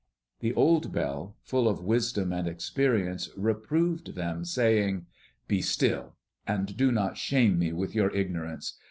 The old bell, full of wisdom and experience, reproved them, saying, "Be still, and do not shame me with your ignorance.